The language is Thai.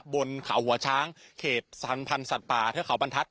บนเขาหัวช้างเขตสรรพันธ์สัตว์ป่าเทือกเขาบรรทัศ